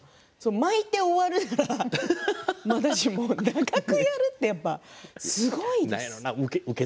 巻いて終わるならまだしも長くやるってやっぱすごいです。